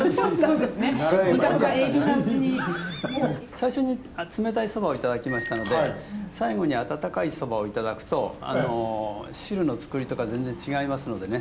最初に冷たい蕎麦を頂きましたので最後に温かい蕎麦を頂くと汁のつくりとか全然違いますのでね